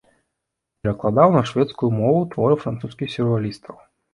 Перакладаў на шведскую мову творы французскіх сюррэалістаў.